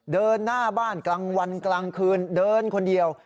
เดินหน้าบ้านกลางวันกลางคืนเดินคนเดียว